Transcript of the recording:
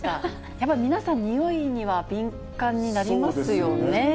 やっぱ皆さん、においには敏感になりますよね。